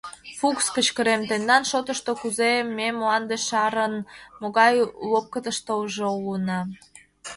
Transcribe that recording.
— Фукс, — кычкырем, — тендан шотышто кузе, ме мланде шарын могай лопкытыштыжо улына?